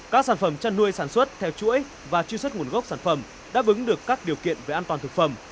các sản phẩm chăn nuôi sản xuất theo chuỗi và truy xuất nguồn gốc sản phẩm đáp ứng được các điều kiện về an toàn thực phẩm